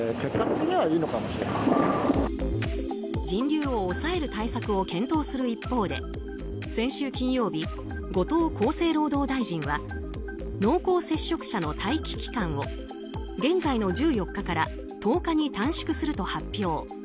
人流を抑える対策を検討する一方で先週金曜日、後藤厚生労働大臣は濃厚接触者の待機期間を現在の１４日から１０日に短縮すると発表。